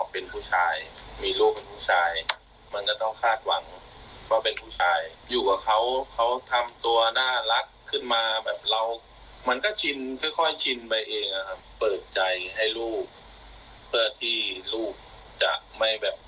เปิดใจให้ลูกเพื่อที่ลูกจะไม่แบบ